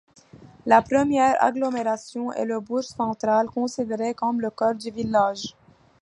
La première agglomération est le bourg central, considéré comme le cœur du village.